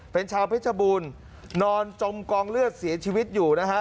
เป็นชาวเพชรบูรณ์นอนจมกองเลือดเสียชีวิตอยู่นะฮะ